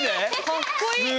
かっこいい！